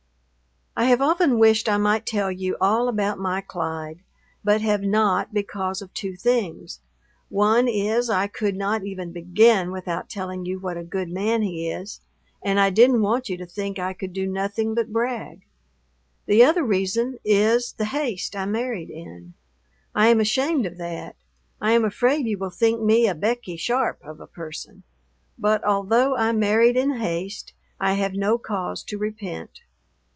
I have often wished I might tell you all about my Clyde, but have not because of two things. One is I could not even begin without telling you what a good man he is, and I didn't want you to think I could do nothing but brag. The other reason is the haste I married in. I am ashamed of that. I am afraid you will think me a Becky Sharp of a person. But although I married in haste, I have no cause to repent.